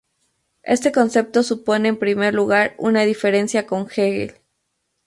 Este concepto supone en primer lugar una diferencia con Hegel.